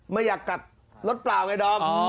ไม่อยากกัดรถเปล่าไงดอม